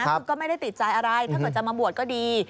คือก็ไม่ได้ติดใจอะไรถ้าเกิดจะมาบวชก็ดี